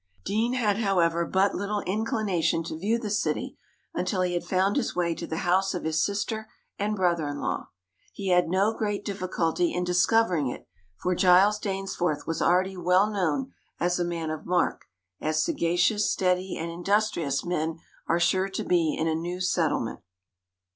Deane had, however, but little inclination to view the city until he had found his way to the house of his sister and brother in law. He had no great difficulty in discovering it, for Giles Dainsforth was already well known as a man of mark, as sagacious, steady, and industrious men are sure to be in a new settlement.